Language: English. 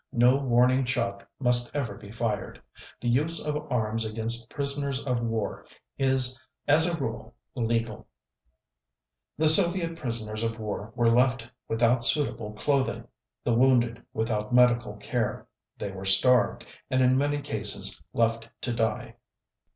No warning shot must ever be fired .... The use of arms against prisoners of war is as a rule legal." The Soviet prisoners of war were left without suitable clothing; the wounded without medical care; they were starved, and in many cases left to die.